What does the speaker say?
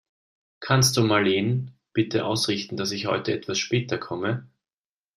Kannst du Marleen bitte ausrichten, dass ich heute etwas später komme?